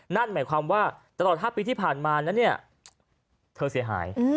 นั่นหมายความว่าตลอด๕ปีที่ผ่านมานั้นเนี่ยเธอเสียหาย